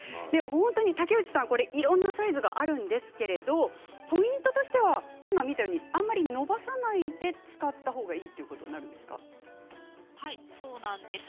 竹内さん、いろんなサイズがあるんですがポイントとしては今、見たようにあまり伸ばさないで使ったほうがいいということになるんですか？